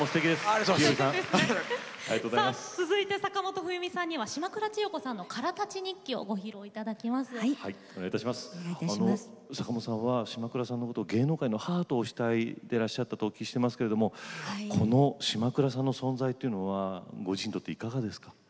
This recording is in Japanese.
あの坂本さんは島倉さんのことを芸能界の母とお慕いでらっしゃったとお聞きしてますけれどもこの島倉さんの存在というのはご自身にとっていかがですか。